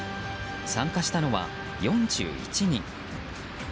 参加したのは４１人。